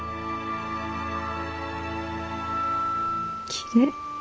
きれい。